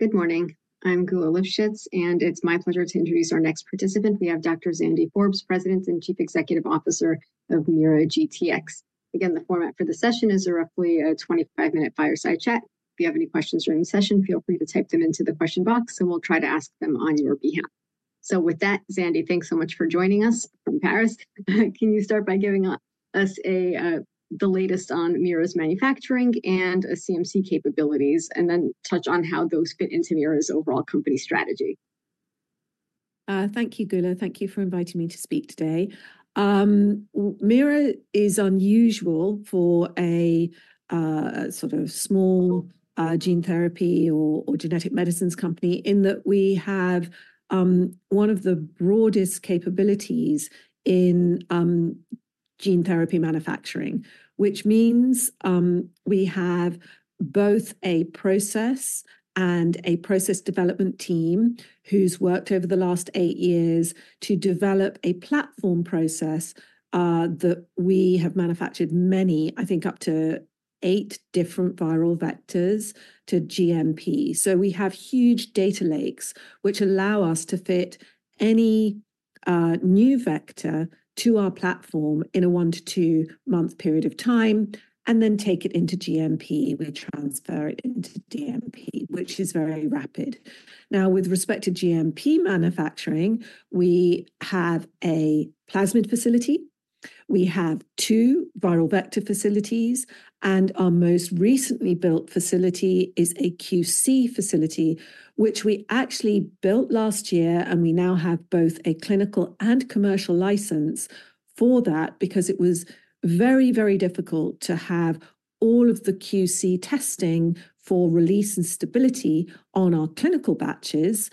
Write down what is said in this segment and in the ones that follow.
Good morning. I'm Geulah Livshits, and it's my pleasure to introduce our next participant. We have Dr. Zandy Forbes, President and Chief Executive Officer of MeiraGTx. Again, the format for the session is a roughly 25-minute fireside chat. If you have any questions during the session, feel free to type them into the question box, and we'll try to ask them on your behalf. So with that, Zandy, thanks so much for joining us from Paris. Can you start by giving us the latest on Meira's manufacturing and CMC capabilities, and then touch on how those fit into Meira's overall company strategy? Thank you, Geulah. Thank you for inviting me to speak today. Meira is unusual for a sort of small gene therapy or genetic medicines company in that we have one of the broadest capabilities in gene therapy manufacturing, which means we have both a process and a process development team who's worked over the last eight years to develop a platform process that we have manufactured many, I think up to eight different viral vectors to GMP. So we have huge data lakes which allow us to fit any new vector to our platform in a one- to two-month period of time and then take it into GMP. We transfer it into DMP, which is very rapid. Now, with respect to GMP manufacturing, we have a plasmid facility. We have two viral vector facilities, and our most recently built facility is a QC facility, which we actually built last year, and we now have both a clinical and commercial license for that because it was very, very difficult to have all of the QC testing for release and stability on our clinical batches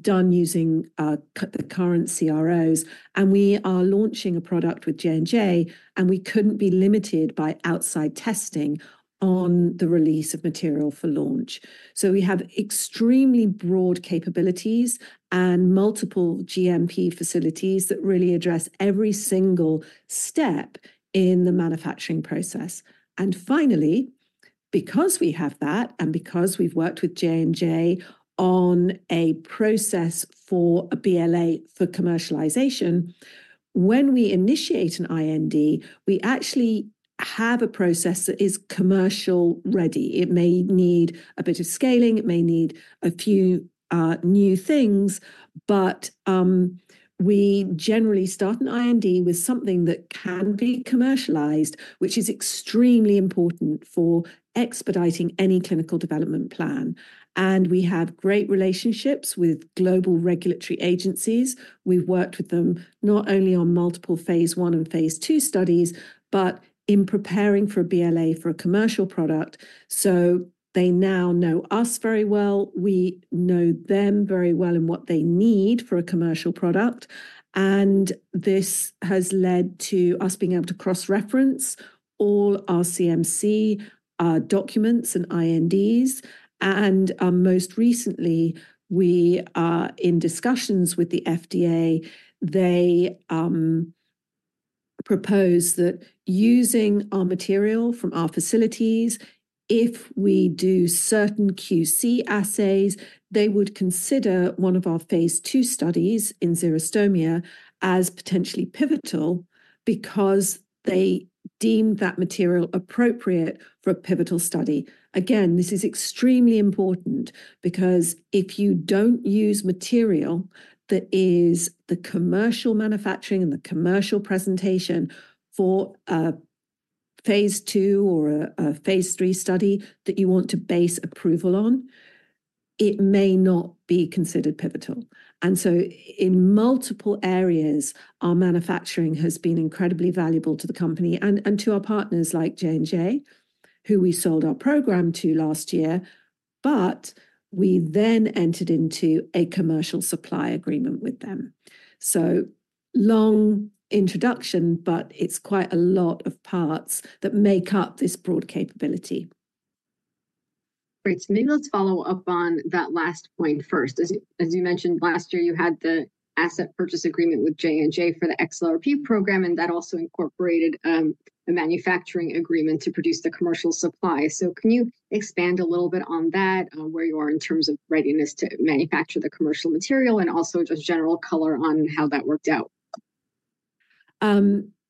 done using the current CROs. And we are launching a product with J&J, and we couldn't be limited by outside testing on the release of material for launch. So we have extremely broad capabilities and multiple GMP facilities that really address every single step in the manufacturing process. And finally, because we have that and because we've worked with J&J on a process for a BLA for commercialization, when we initiate an IND, we actually have a process that is commercial ready. It may need a bit of scaling. It may need a few new things, but we generally start an IND with something that can be commercialized, which is extremely important for expediting any clinical development plan. We have great relationships with global regulatory agencies. We've worked with them not only on multiple phase I and phase II studies, but in preparing for a BLA for a commercial product. They now know us very well. We know them very well in what they need for a commercial product. This has led to us being able to cross-reference all our CMC documents and INDs. Most recently, we are in discussions with the FDA. They propose that using our material from our facilities, if we do certain QC assays, they would consider one of our phase II studies in xerostomia as potentially pivotal because they deem that material appropriate for a pivotal study. Again, this is extremely important because if you don't use material that is the commercial manufacturing and the commercial presentation for a phase II or a phase III study that you want to base approval on, it may not be considered pivotal. And so in multiple areas, our manufacturing has been incredibly valuable to the company and to our partners like J&J, who we sold our program to last year, but we then entered into a commercial supply agreement with them. So long introduction, but it's quite a lot of parts that make up this broad capability. Great. So maybe let's follow up on that last point first. As you mentioned, last year you had the asset purchase agreement with J&J for the XLRP program, and that also incorporated a manufacturing agreement to produce the commercial supply. So can you expand a little bit on that, where you are in terms of readiness to manufacture the commercial material and also just general color on how that worked out?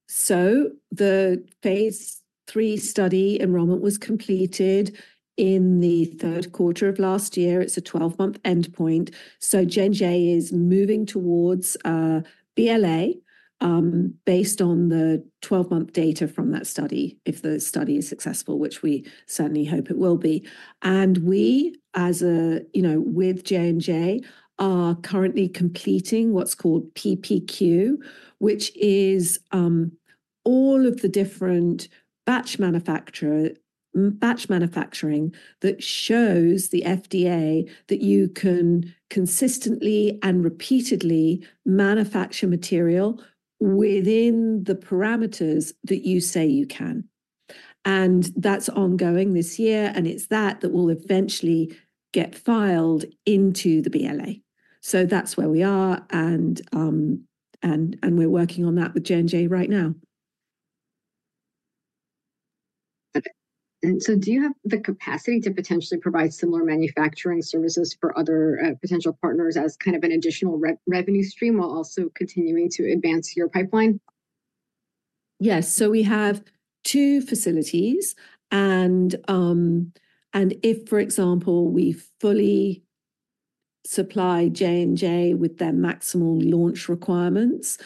The phase III study enrollment was completed in the third quarter of last year. It's a 12-month endpoint. J&J is moving towards BLA based on the 12-month data from that study, if the study is successful, which we certainly hope it will be. We, as with J&J, are currently completing what's called PPQ, which is all of the different batch manufacturing that shows the FDA that you can consistently and repeatedly manufacture material within the parameters that you say you can. That's ongoing this year, and it's that that will eventually get filed into the BLA. That's where we are, and we're working on that with J&J right now. Do you have the capacity to potentially provide similar manufacturing services for other potential partners as kind of an additional revenue stream while also continuing to advance your pipeline? Yes. So we have two facilities. If, for example, we fully supply J&J with their maximal launch requirements,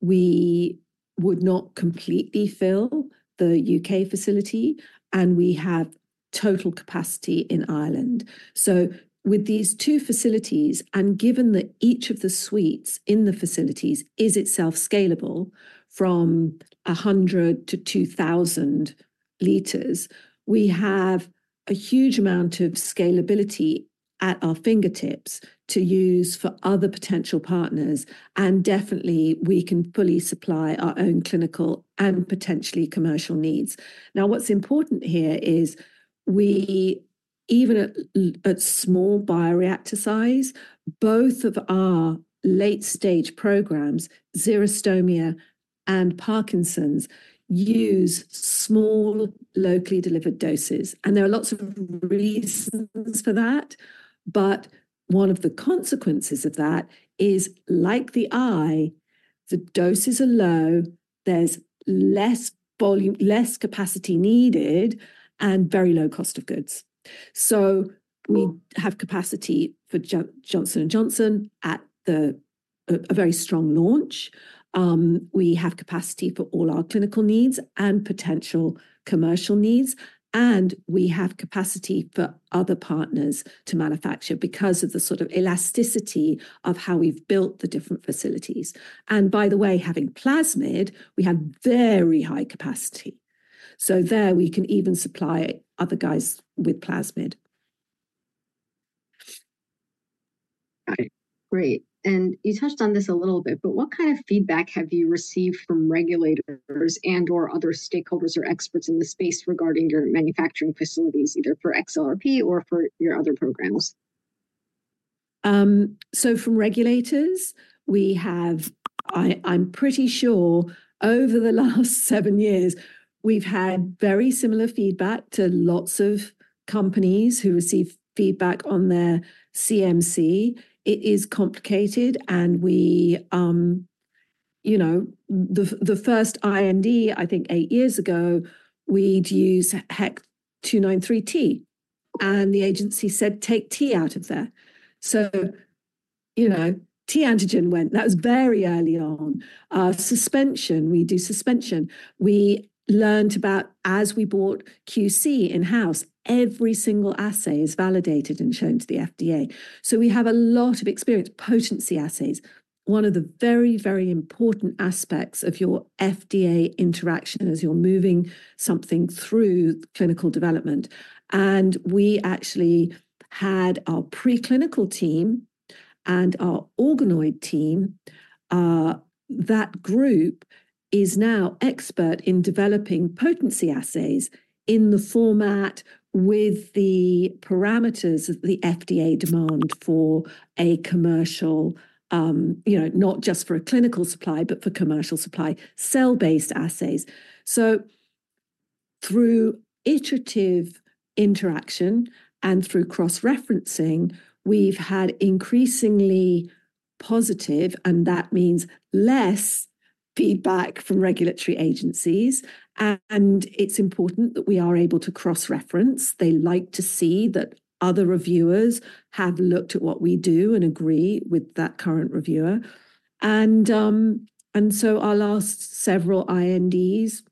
we would not completely fill the UK facility, and we have total capacity in Ireland. So with these two facilities, and given that each of the suites in the facilities is itself scalable from 100-2,000 liters, we have a huge amount of scalability at our fingertips to use for other potential partners. And definitely, we can fully supply our own clinical and potentially commercial needs. Now, what's important here is we, even at small bioreactor size, both of our late-stage programmes, xerostomia and Parkinson's, use small locally delivered doses. And there are lots of reasons for that, but one of the consequences of that is, like the eye, the doses are low, there's less capacity needed, and very low cost of goods. We have capacity for Johnson & Johnson at a very strong launch. We have capacity for all our clinical needs and potential commercial needs. We have capacity for other partners to manufacture because of the sort of elasticity of how we've built the different facilities. By the way, having plasmid, we have very high capacity. There we can even supply other guys with plasmid. Great. You touched on this a little bit, but what kind of feedback have you received from regulators and/or other stakeholders or experts in the space regarding your manufacturing facilities, either for XLRP or for your other programs? From regulators, we have, I'm pretty sure, over the last seven years, we've had very similar feedback to lots of companies who receive feedback on their CMC. It is complicated, and we, you know, the first IND, I think eight years ago, we'd use HEK293T, and the agency said, "Take T out of there." So, you know, T antigen went. That was very early on. Suspension. We do suspension. We learned about, as we bought QC in-house, every single assay is validated and shown to the FDA. So we have a lot of experience. Potency assays. One of the very, very important aspects of your FDA interaction as you're moving something through clinical development. And we actually had our preclinical team and our organoid team. That group is now expert in developing potency assays in the format with the parameters of the FDA demand for a commercial, you know, not just for a clinical supply, but for commercial supply, cell-based assays. So through iterative interaction and through cross-referencing, we've had increasingly positive, and that means less feedback from regulatory agencies. And it's important that we are able to cross-reference. They like to see that other reviewers have looked at what we do and agree with that current reviewer. And so our last several INDs,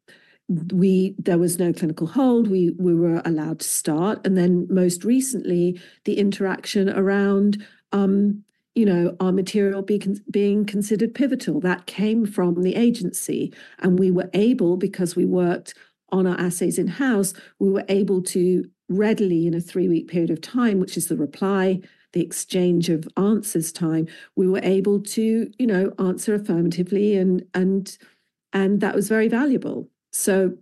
there was no clinical hold. We were allowed to start. And then most recently, the interaction around, you know, our material being considered pivotal, that came from the agency. We were able, because we worked on our assays in-house, we were able to readily, in a three week period of time, which is the reply, the exchange of answers time, we were able to, you know, answer affirmatively. And that was very valuable. So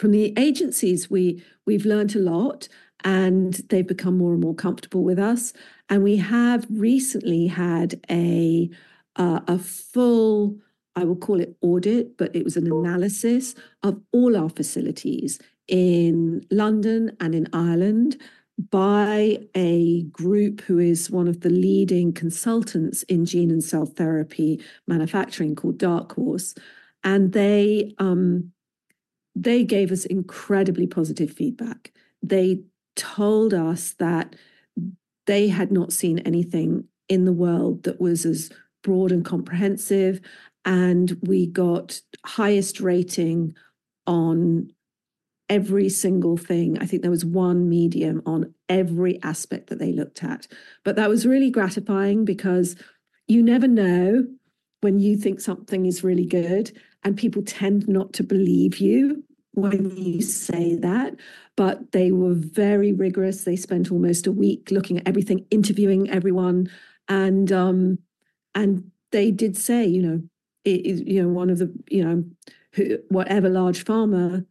from the agencies, we've learned a lot, and they've become more and more comfortable with us. And we have recently had a full, I will call it audit, but it was an analysis of all our facilities in London and in Ireland by a group who is one of the leading consultants in gene and cell therapy manufacturing called Dark Horse. And they gave us incredibly positive feedback. They told us that they had not seen anything in the world that was as broad and comprehensive, and we got highest rating on every single thing. I think there was one demerit on every aspect that they looked at. But that was really gratifying because you never know when you think something is really good, and people tend not to believe you when you say that. But they were very rigorous. They spent almost a week looking at everything, interviewing everyone. And they did say, you know, you know, one of the, you know, whatever large pharma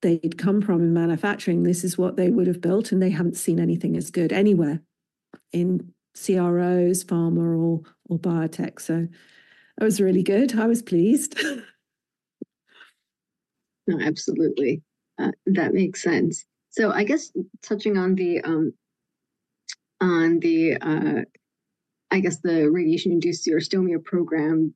they'd come from in manufacturing, this is what they would have built, and they haven't seen anything as good anywhere in CROs, pharma, or biotech. So it was really good. I was pleased. No, absolutely. That makes sense. So I guess touching on the, I guess, the radiation-induced xerostomia program,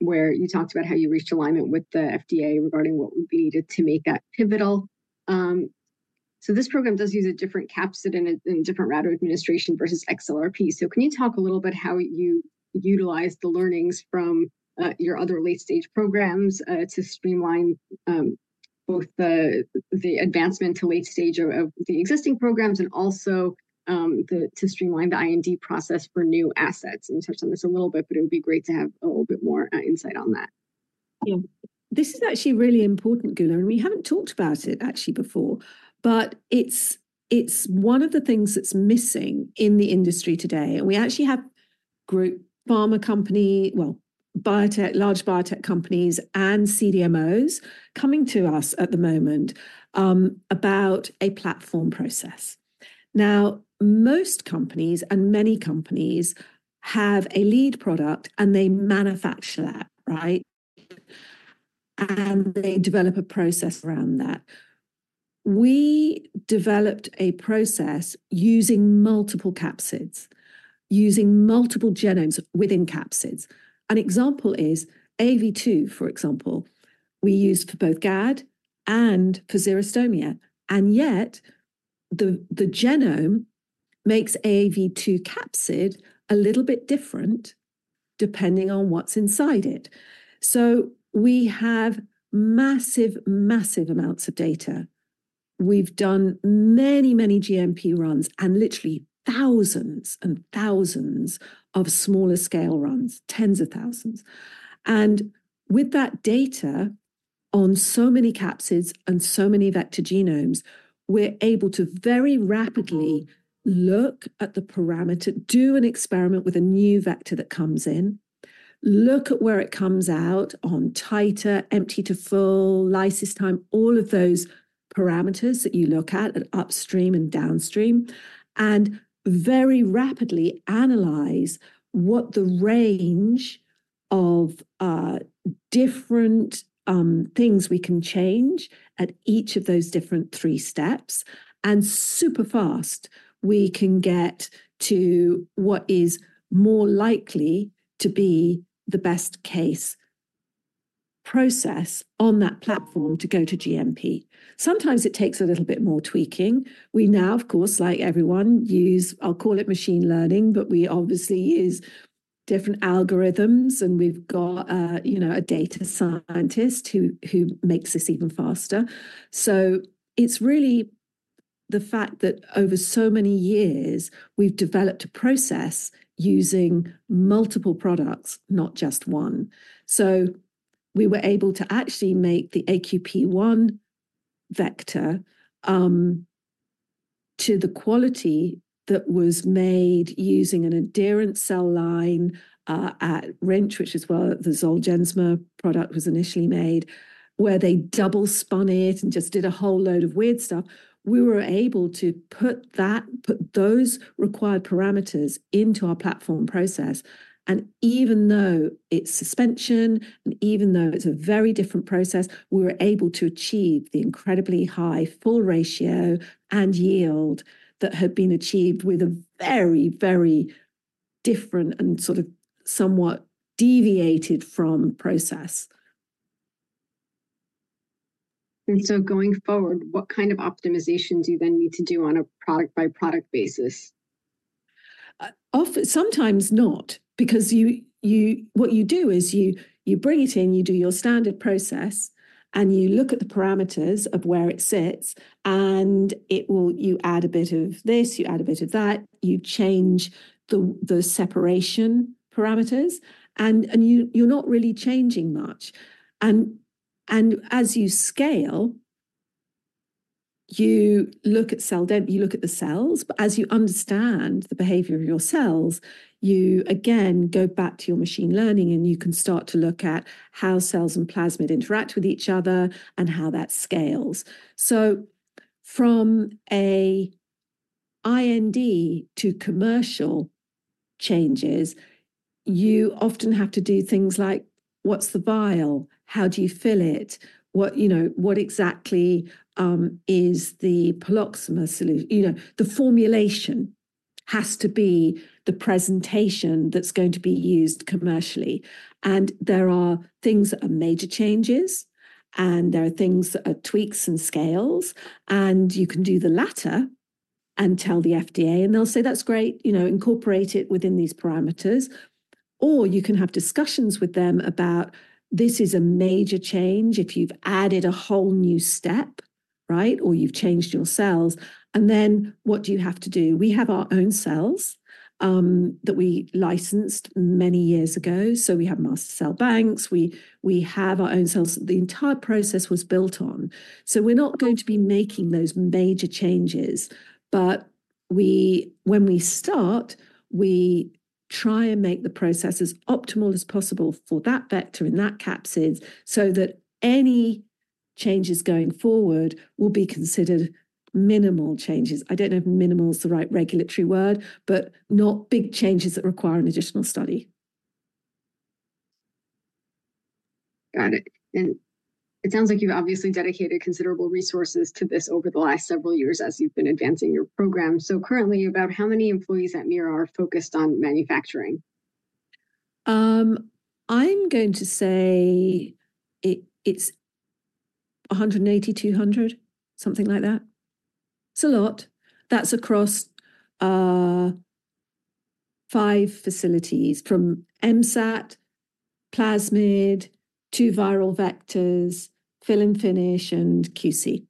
where you talked about how you reached alignment with the FDA regarding what would be needed to make that pivotal. So this program does use a different capsule in different route of administration versus XLRP. So can you talk a little bit how you utilize the learnings from your other late-stage programs to streamline both the advancement to late-stage of the existing programs and also to streamline the IND process for new assets? And you touched on this a little bit, but it would be great to have a little bit more insight on that. Yeah. This is actually really important, Geulah, and we haven't talked about it actually before, but it's one of the things that's missing in the industry today. We actually have big pharma companies, well, large biotech companies and CDMOs coming to us at the moment about a platform process. Now, most companies and many companies have a lead product, and they manufacture that, right? And they develop a process around that. We developed a process using multiple capsids, using multiple genomes within capsids. An example is AAV2, for example, we use for both GAD and for xerostomia. And yet the genome makes AAV2 capsid a little bit different depending on what's inside it. So we have massive, massive amounts of data. We've done many, many GMP runs and literally thousands and thousands of smaller scale runs, tens of thousands. With that data on so many capsids and so many vector genomes, we're able to very rapidly look at the parameter, do an experiment with a new vector that comes in, look at where it comes out on titer, empty to full, lysis time, all of those parameters that you look at at upstream and downstream, and very rapidly analyze what the range of different things we can change at each of those different three steps. Super fast, we can get to what is more likely to be the best case process on that platform to go to GMP. Sometimes it takes a little bit more tweaking. We now, of course, like everyone, use, I'll call it machine learning, but we obviously use different algorithms, and we've got, you know, a data scientist who makes this even faster. It's really the fact that over so many years we've developed a process using multiple products, not just one. So we were able to actually make the AQP1 vector to the quality that was made using an adherent cell line at Rentschler, which is where the Zolgensma product was initially made, where they double-spun it and just did a whole load of weird stuff. We were able to put those required parameters into our platform process. And even though it's suspension and even though it's a very different process, we were able to achieve the incredibly high full ratio and yield that had been achieved with a very, very different and sort of somewhat deviated from process. Going forward, what kind of optimization do you then need to do on a product-by-product basis? Sometimes not, because what you do is you bring it in, you do your standard process, and you look at the parameters of where it sits, and you add a bit of this, you add a bit of that, you change the separation parameters, and you're not really changing much. As you scale, you look at cell depth, you look at the cells, but as you understand the behavior of your cells, you again go back to your machine learning, and you can start to look at how cells and plasmid interact with each other and how that scales. So from an IND to commercial changes, you often have to do things like, what's the vial, how do you fill it, you know, what exactly is the polysorbate solution, you know, the formulation has to be the presentation that's going to be used commercially. There are things that are major changes, and there are things that are tweaks and scales, and you can do the latter and tell the FDA, and they'll say, that's great, you know, incorporate it within these parameters. Or you can have discussions with them about, this is a major change if you've added a whole new step, right, or you've changed your cells. And then what do you have to do? We have our own cells that we licensed many years ago, so we have master cell banks, we have our own cells that the entire process was built on. So we're not going to be making those major changes, but when we start, we try and make the process as optimal as possible for that vector in that capsid so that any changes going forward will be considered minimal changes. I don't know if minimal is the right regulatory word, but not big changes that require an additional study. Got it. It sounds like you've obviously dedicated considerable resources to this over the last several years as you've been advancing your program. Currently, about how many employees at Meira are focused on manufacturing? I'm going to say it's 180, 200, something like that. It's a lot. That's across five facilities from MSAT, plasmid, two viral vectors, fill and finish, and QC.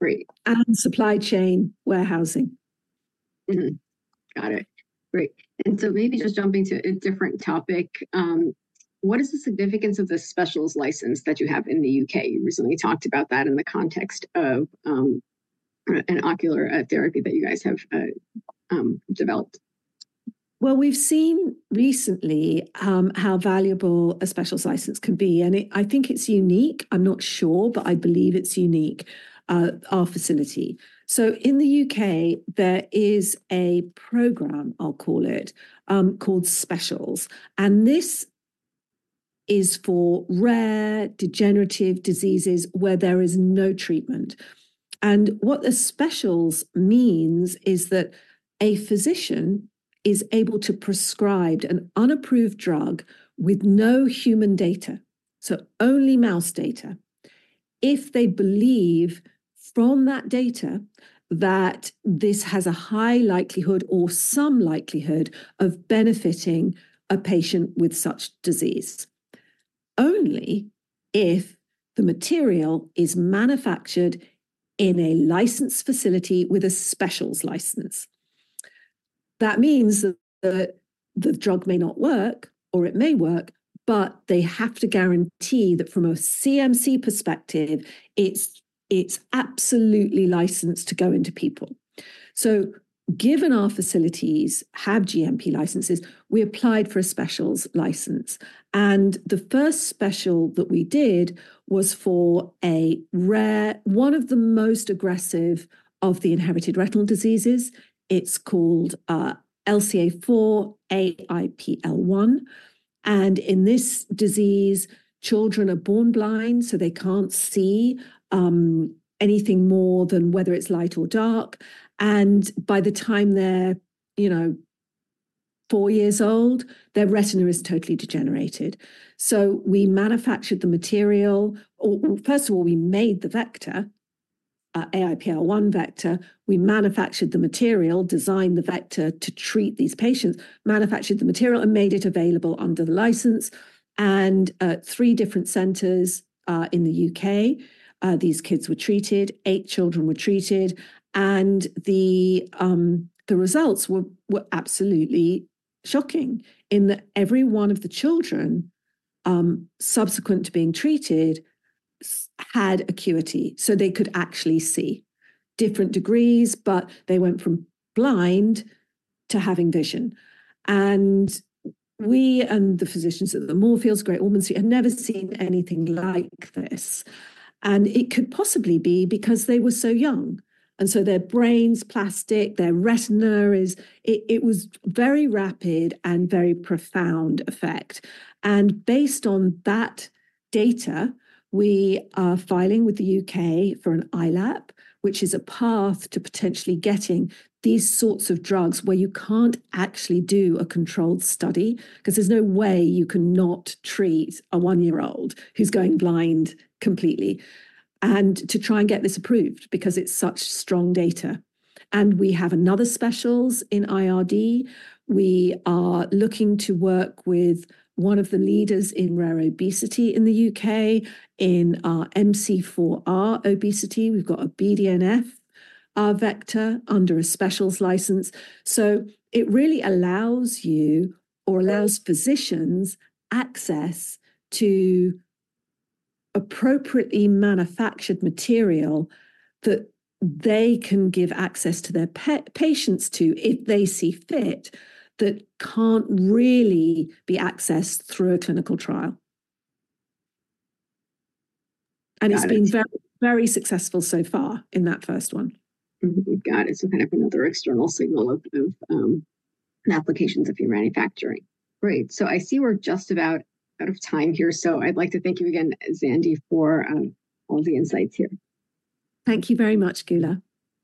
Great. Supply chain warehousing. Got it. Great. And so maybe just jumping to a different topic, what is the significance of the Specials License that you have in the U.K.? You recently talked about that in the context of an ocular therapy that you guys have developed. Well, we've seen recently how valuable a Specials License can be, and I think it's unique. I'm not sure, but I believe it's unique our facility. So in the U.K., there is a program, I'll call it, called Specials. And this is for rare degenerative diseases where there is no treatment. And what the specials means is that a physician is able to prescribe an unapproved drug with no human data, so only mouse data, if they believe from that data that this has a high likelihood or some likelihood of benefiting a patient with such disease. Only if the material is manufactured in a licensed facility with a Specials License. That means that the drug may not work or it may work, but they have to guarantee that from a CMC perspective, it's absolutely licensed to go into people. Given our facilities have GMP licenses, we applied for a Specials License. And the first Special that we did was for a rare, one of the most aggressive of the inherited retinal diseases. It's called LCA4 AIPL1. And in this disease, children are born blind, so they can't see anything more than whether it's light or dark. And by the time they're, you know, four years old, their retina is totally degenerated. So we manufactured the material. First of all, we made the vector, AIPL1 vector. We manufactured the material, designed the vector to treat these patients, manufactured the material and made it available under the license. And three different centers in the U.K., these kids were treated, eight children were treated, and the results were absolutely shocking in that every one of the children subsequent to being treated had acuity. So they could actually see. Different degrees, but they went from blind to having vision. We and the physicians at Moorfields and Great Ormond Street have never seen anything like this. It could possibly be because they were so young. So their brain's plastic, their retina is, it was very rapid and very profound effect. Based on that data, we are filing with the U.K. for an ILAP, which is a path to potentially getting these sorts of drugs where you can't actually do a controlled study because there's no way you can not treat a one-year-old who's going blind completely and to try and get this approved because it's such strong data. We have another specials in IRD. We are looking to work with one of the leaders in rare obesity in the U.K. in our MC4R obesity. We've got a BDNF vector under a specials license. It really allows you or allows physicians access to appropriately manufactured material that they can give access to their patients to if they see fit that can't really be accessed through a clinical trial. It's been very, very successful so far in that first one. Got it. So kind of another external signal of applications of your manufacturing. Great. So I see we're just about out of time here. So I'd like to thank you again, Zandy, for all the insights here. Thank you very much, Geulah.